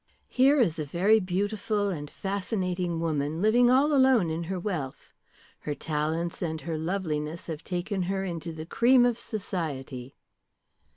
"Here is a very beautiful and fascinating woman, living all alone in her wealth. Her talents and her loveliness have taken her into the cream of society."